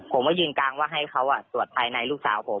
มายืนกลางว่าให้เขาตรวจภายในลูกสาวผม